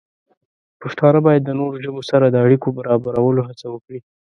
پښتانه باید د نورو ژبو سره د اړیکو د برابرولو هڅه وکړي.